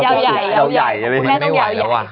ไม่ไหวแล้วอะ